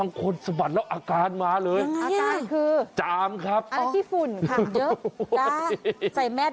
อันนั้นเสื้อผ้าอาจจะเก็บไว้นาน